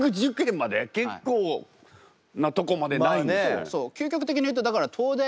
結構なとこまでないんですね。